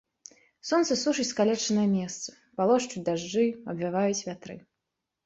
Сонца сушыць скалечанае месца, палошчуць дажджы, абвяваюць вятры.